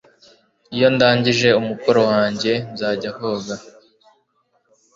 Iyo ndangije umukoro wanjye nzajya koga